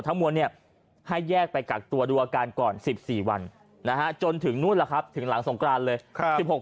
สี่วันนะฮะจนถึงนู้นล่ะครับถึงหลังสงกรานเลยครับสี่หก